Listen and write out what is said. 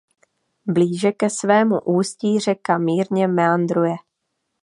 Blíže ke svému ústí řeka mírně meandruje.